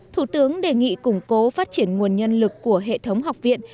thủ tướng đề nghị củng cố phát triển nguồn nhân lực của hệ thống học viện